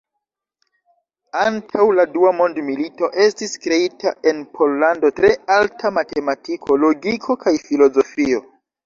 Antaŭ la dua mondmilito estis kreita en Pollando tre alta matematiko, logiko kaj filozofio.